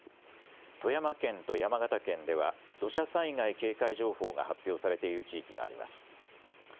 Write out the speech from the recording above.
富山県と山形県では土砂災害警戒情報が発表されている地域があります。